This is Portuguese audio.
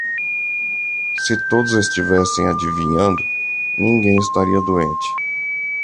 Se todos estivessem adivinhando, ninguém estaria doente.